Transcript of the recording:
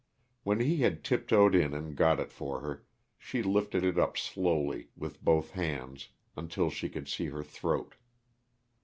When he had tiptoed in and got it for her, she lifted it up slowly, with both hands, until she could see her throat.